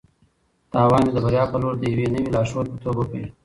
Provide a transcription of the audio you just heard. تاوان مې د بریا په لور د یوې نوې لارښود په توګه وپېژانده.